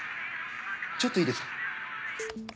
ちょっといいですか？